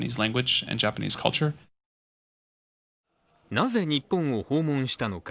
なぜ日本を訪問したのか？